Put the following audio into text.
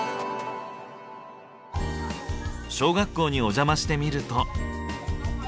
小学校にお邪魔してみると。